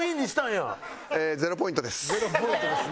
０ポイントです。